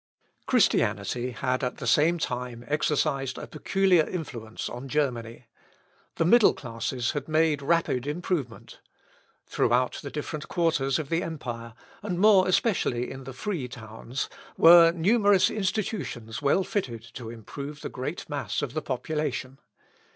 Christianity had, at the same time, exercised a peculiar influence on Germany. The middle classes had made rapid improvement. Throughout the different quarters of the empire, and more especially in the free towns, were numerous institutions well fitted to improve the great mass of the population.